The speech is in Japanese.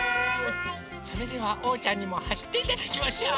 それではおうちゃんにもはしっていただきましょう！